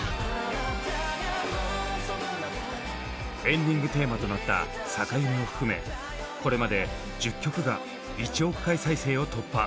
エンディングテーマとなった「逆夢」を含めこれまで１０曲が１億回再生を突破。